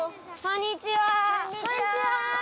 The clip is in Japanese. こんにちは。